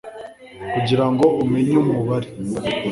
kugirango umenye umubare